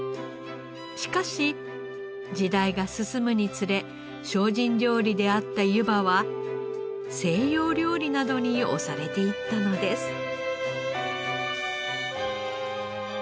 しかし時代が進むにつれ精進料理であったゆばは西洋料理などに押されていったのです。